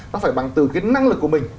nó phải bằng từ cái năng lực của mình